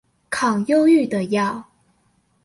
抗憂鬱的藥